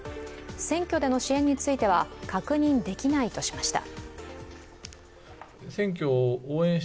選挙での支援については、確認できないとしました。